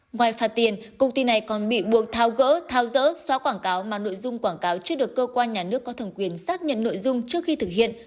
ngoài phạt tiền công ty này còn bị buộc thao gỡ thao dỡ xóa quảng cáo mà nội dung quảng cáo chưa được cơ quan nhà nước có thẩm quyền xác nhận nội dung trước khi thực hiện